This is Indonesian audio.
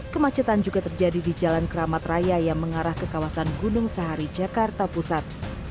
kemacetan juga terjadi di jalan keramat raya yang mengarah ke kawasan gunung sahari jakarta pusat